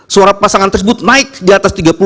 suara pasangan tersebut naik diatas tiga puluh